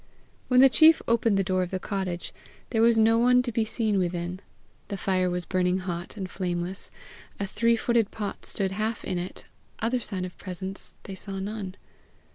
When the chief opened the door of the cottage, there was no one to be seen within. The fire was burning hot and flameless; a three footed pot stood half in it; other sign of presence they saw none.